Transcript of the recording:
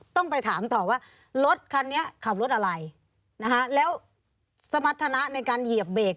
ต้องไปถามต่อว่ารถคันนี้ขับรถอะไรนะคะแล้วสมรรถนะในการเหยียบเบรก